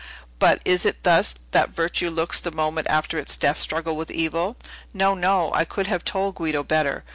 But, is it thus that virtue looks the moment after its death struggle with evil? No, no; I could have told Guido better.